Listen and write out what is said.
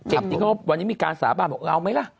เจ็บจริงก็วันนี้มีการสาบานบอกเอาไหมล่ะ